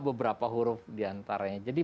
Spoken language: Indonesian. beberapa huruf diantaranya jadi